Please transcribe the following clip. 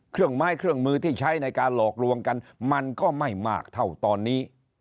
ไม้เครื่องมือที่ใช้ในการหลอกลวงกันมันก็ไม่มากเท่าตอนนี้